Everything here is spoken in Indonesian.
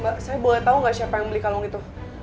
mbak saya boleh tahu nggak siapa yang beli kalung itu